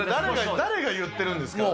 誰が言ってるんですか？